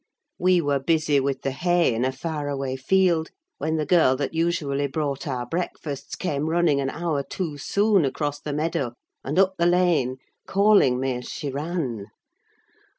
We were busy with the hay in a far away field, when the girl that usually brought our breakfasts came running an hour too soon across the meadow and up the lane, calling me as she ran.